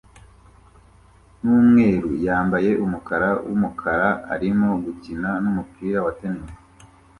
numweru yambaye umukara wumukara arimo gukina numupira wa tennis